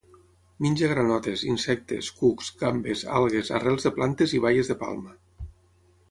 Menja granotes, insectes, cucs, gambes, algues, arrels de plantes i baies de palma.